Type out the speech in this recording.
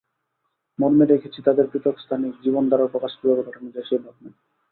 মর্মে রেখেছি তাদের পৃথক স্থানিক জীবনধারার প্রকাশ কীভাবে ঘটানো যায়, সেই ভাবনাকে।